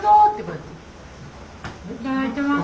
いただいてます。